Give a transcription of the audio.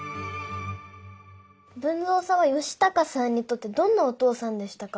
豊造さんは嘉孝さんにとってどんなお父さんでしたか？